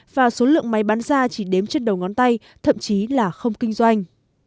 và số lượng máy bán ra chỉ đếm trên đầu ngón tay thậm chí là không kinh doanh